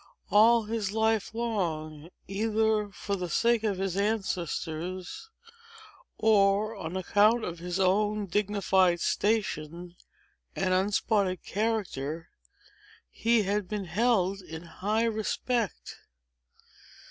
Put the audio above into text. All his life long, either for the sake of his ancestors, or on account of his own dignified station and unspotted character, he had been held in high respect.